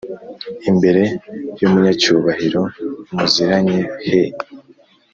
imbere y umunyacyubahiro muziranye he